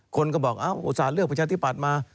คนก็บอกอุตส่าห์เลือกประชาธิปัตย์มา